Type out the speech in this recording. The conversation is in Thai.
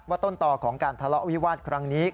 ต้นต่อของการทะเลาะวิวาสครั้งนี้